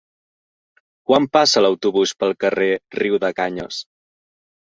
Quan passa l'autobús pel carrer Riudecanyes?